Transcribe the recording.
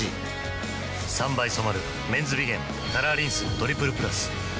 ３倍染まる「メンズビゲンカラーリンストリプルプラス」